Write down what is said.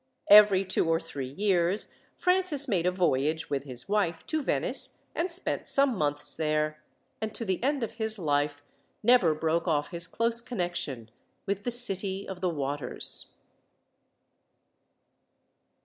Every two or three years Francis made a voyage with his wife to Venice and spent some months there, and to the end of his life never broke off his close connection with the City of the Waters.